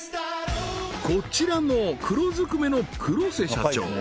こちらも黒づくめの黒瀬社長